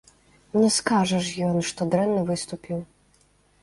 Не скажа ж ён, што дрэнна выступіў.